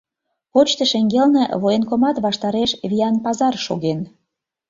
Почта шеҥгелне военкомат ваштареш виян пазар шоген.